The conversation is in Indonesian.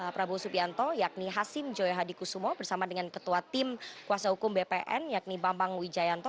prabowo subianto yakni hasim joyo hadi kusumo bersama dengan ketua tim kuasa hukum bpn yakni bambang wijayanto